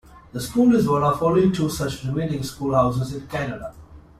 The school is one of only two such remaining schoolhouses in Canada.